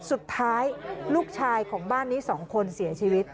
สุดท้ายลูกชายของบ้านนี้๒คนเสียชีวิต